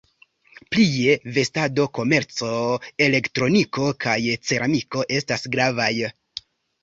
Plie, vestado-komerco, elektroniko kaj ceramiko estas gravaj.